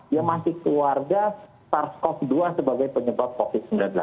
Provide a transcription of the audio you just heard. yang masih keluarga sars cov dua sebagai penyebab covid sembilan belas